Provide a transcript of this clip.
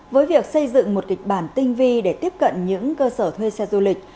với việc xây dựng một kịch bản tinh vi để tiếp cận những cơ sở thuê xe du lịch